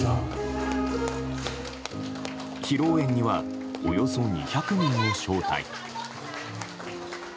披露宴にはおよそ２００人を招待。